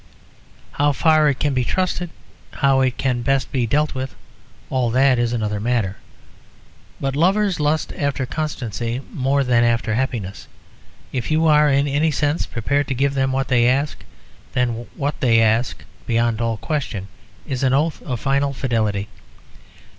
How far it can be trusted, how it can best be dealt with, all that is another matter. But lovers lust after constancy more than after happiness; if you are in any sense prepared to give them what they ask, then what they ask, beyond all question, is an oath of final fidelity.